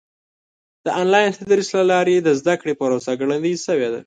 د آنلاین تدریس له لارې د زده کړې پروسه ګړندۍ شوې ده.